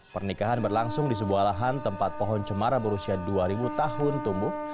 pernikahan berlangsung di sebuah lahan tempat pohon cemara berusia dua ribu tahun tumbuh